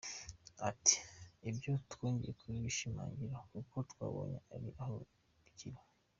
Ati “ Ibyo twongeye kubishimangira kuko twabonye hari aho bikiri.